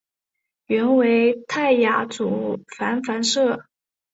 原为泰雅族芃芃社。